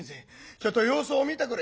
ちょっと様子を見てくる」。